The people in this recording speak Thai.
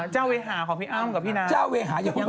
เจ้าเวทายของพี่อ้างกับพี่น้า